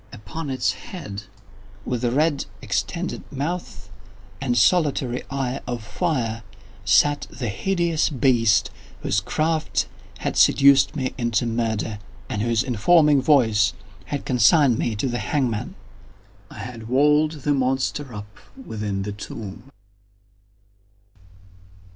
Upon its head, with red extended mouth and solitary eye of fire, sat the hideous beast whose craft had seduced me into murder, and whose informing voice had consigned me to the hangman. I had walled the monster up within the tomb!